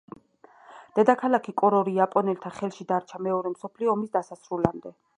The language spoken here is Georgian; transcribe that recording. დედაქალაქი კორორი იაპონელთა ხელში დარჩა მეორე მსოფლიო ომის დასასრულამდე.